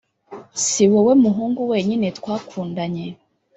siwowe muhungu wenyine twakundanye